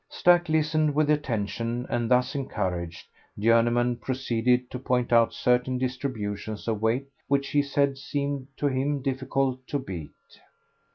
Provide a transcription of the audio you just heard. Stack listened with attention, and thus encouraged, Journeyman proceeded to point out certain distributions of weight which he said seemed to him difficult to beat.